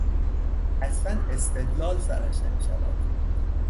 اصلا استدلال سرش نمیشود.